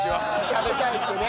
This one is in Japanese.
食べたいってね。